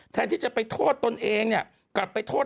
แทนที่จะไปโทษตนเองเนี่ย